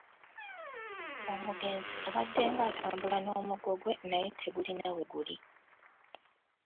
Omugenzi abaddenga atambula n’omuggo gwe naye tegulina we guli.